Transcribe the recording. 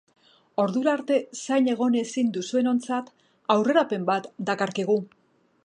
Ordura arte zain egon ezin duzuenontzat, aurrerapen bat dakarkigu.